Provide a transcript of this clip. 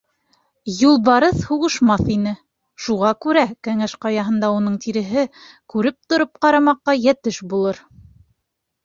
— Юлбарыҫ һуғышмаҫ ине, шуға күрә Кәңәш Ҡаяһында уның тиреһе күреп-тотоп ҡарамаҡҡа йәтеш булыр.